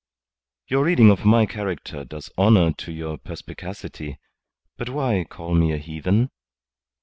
Your reading of my character does honour to your perspicacity. But why call me a heathen?"